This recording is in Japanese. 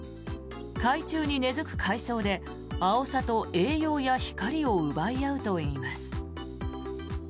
海中に根付く海草でアオサと栄養や光を奪い合うといいます。